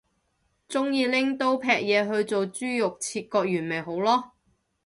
鍾意拎刀劈嘢去做豬肉切割員咪好囉